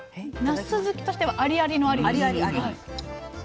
なす好きとしてはありありのありです。